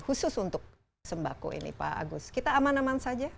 khusus untuk sembako ini pak agus kita aman aman saja